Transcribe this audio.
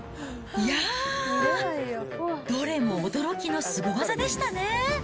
いやー、どれも驚きのスゴ技でしたね。